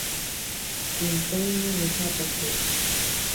Intaina nojataje.